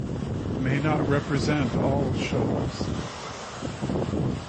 May not reprsent all shows.